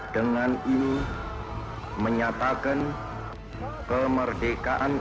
dengan ini menyatakan kemerdekaan